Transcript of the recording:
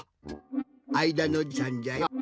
あいだのじいさんじゃよ。